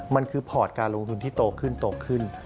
มันคือพอร์ตการลงทุนที่โตขึ้นโตขึ้น